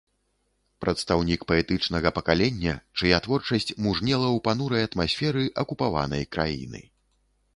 Прадстаўнік паэтычнага пакалення, чыя творчасць мужнела ў панурай атмасферы акупаванай краіны.